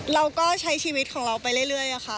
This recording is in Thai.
เราก็ใช้ชีวิตของเราไปเรื่อยค่ะ